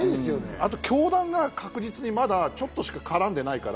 あと教団がまだ確実にちょっとしか絡んでないから。